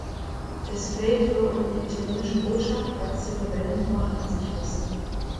Tesfaye floh in die italienische Botschaft, als die Rebellen die Macht an sich rissen.